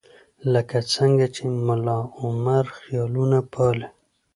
لکه څنګه چې ملاعمر خیالونه پالي.